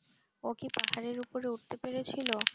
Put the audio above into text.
ও কি পাহাড়ের ওপরে উঠতে পেরেছিল?